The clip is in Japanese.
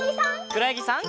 くろやぎさん。